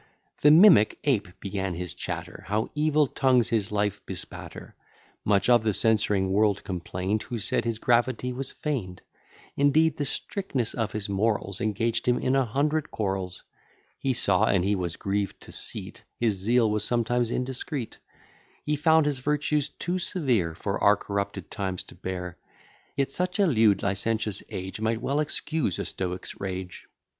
The mimic Ape began his chatter, How evil tongues his life bespatter; Much of the censuring world complain'd, Who said, his gravity was feign'd: Indeed, the strictness of his morals Engaged him in a hundred quarrels: He saw, and he was grieved to see't, His zeal was sometimes indiscreet: He found his virtues too severe For our corrupted times to bear; Yet such a lewd licentious age Might well excuse a stoic's rage.